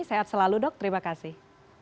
sehat selalu dok terima kasih